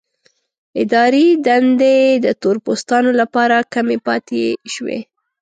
اداري دندې د تور پوستانو لپاره کمې پاتې شوې.